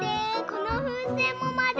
このふうせんもまる！